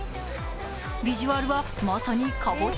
ビジュアルはまさにかぼちゃ